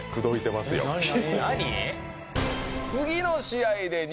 何？